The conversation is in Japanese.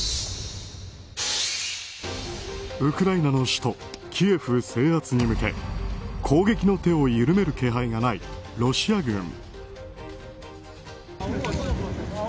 ウクライナの首都キエフ制圧に向け攻撃の手を緩める気配がないロシア軍。